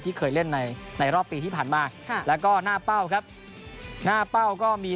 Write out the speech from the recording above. ที่เคยเล่นในในรอบปีที่ผ่านมาค่ะแล้วก็หน้าเป้าครับหน้าเป้าก็มี